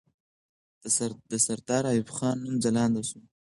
د سردار ایوب خان نوم ځلانده سو.